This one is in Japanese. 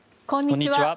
こんにちは。